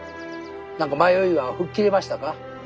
何か迷いは吹っ切れましたか？